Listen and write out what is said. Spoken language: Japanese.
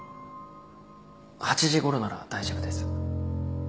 ８時ごろなら大丈夫です。